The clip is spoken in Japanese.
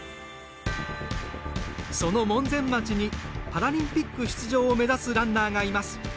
その門前町にパラリンピック出場を目指すランナーがいます。